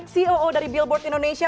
coo dari billboard indonesia